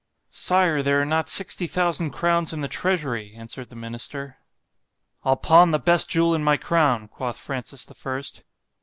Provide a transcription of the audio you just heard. Sire, there are not sixty thousand crowns in the treasury, answered the minister.——I'll pawn the best jewel in my crown, quoth Francis the First.